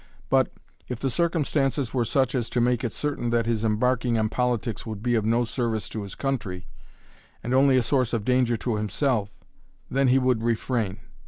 But, if the circumstances were such as to make it certain that his embarking on politics would be of no service to his country, and only a source of danger to himself, then he would refrain.